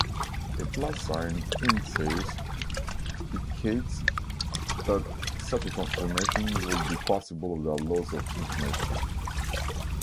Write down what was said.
A plus sign indsays icates that such a transformation would be possible without loss of information.